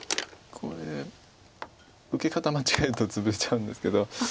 これ受け方間違えるとツブれちゃうんですけど。